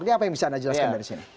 ini apa yang bisa anda jelaskan dari sini